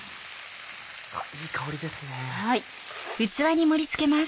いい香りですね。